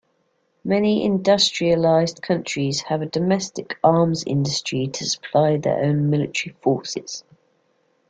Many industrialized countries have a domestic arms-industry to supply their own military forces.